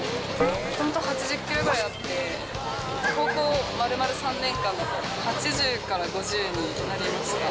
本当、８０キロぐらいあって、高校丸々３年間、８０から５０になりました。